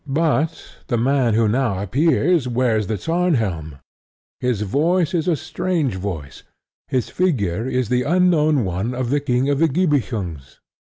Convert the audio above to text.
But the man who now appears wears the Tarnhelm: his voice is a strange voice: his figure is the unknown one of the king of the Gibichungs.